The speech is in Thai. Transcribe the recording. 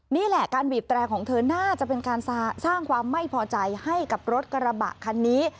นี่แหละการบีบแตรของเธอน่าจะเป็นการสร้างความไม่พอใจให้กับรถกระบะคันนี้